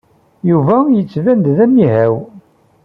Yuba yettban-d d amihaw.